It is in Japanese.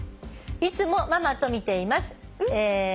「いつもママと見ています」